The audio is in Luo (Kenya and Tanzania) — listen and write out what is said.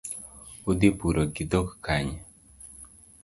Udhi puro gi dhok kanye?